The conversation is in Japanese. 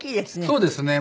そうですね。